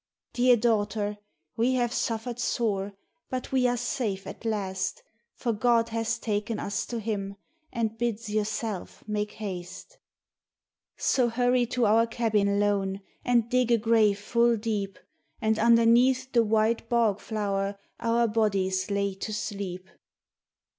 " Dear daughter, we have suffered sore, but we are safe at last, For God has taken us to him and bids yourself make haste. 74 A LAY OF THE FAMINE " So hurry to our cabin lone, and dig a grave full deep And underneath the white bog flower our bodies lay to sleep.